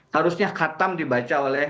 harusnya khatam dibaca oleh